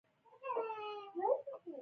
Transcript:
اوړه د مسافرو لپاره هم ساتل کېږي